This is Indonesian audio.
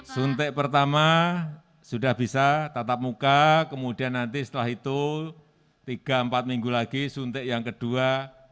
suntik pertama sudah bisa tatap muka kemudian nanti setelah itu tiga empat minggu lagi suntik yang kedua